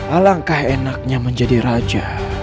alangkah enaknya menjadi raja